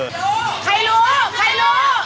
คนรู้เป็นมั้ย